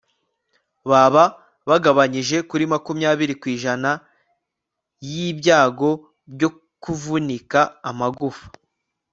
baba bagabanyije kuri makumyabiri kw'ijana y'ibyago byo kuvunika amagufa